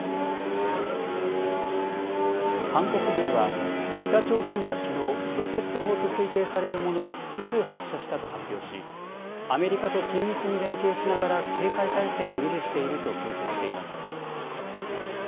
韓国軍は北朝鮮がきのうロケット砲と推定されるものを複数発射したと発表しアメリカと緊密に連携しながら警戒態勢を維持していると強調しています。